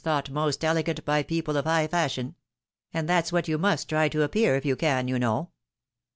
thought most elegant by people of high fashion ; and that's what you must try to appear, if you can, you know."